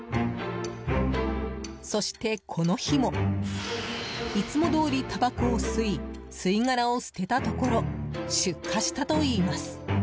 そして、この日もいつもどおりたばこを吸い吸い殻を捨てたところ出火したといいます。